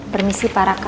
permisi pak raka